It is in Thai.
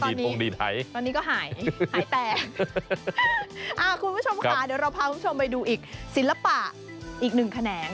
เดี๋ยวเราพาคุณผู้ชมไปดูอีกศิลปะอีกหนึ่งแขนง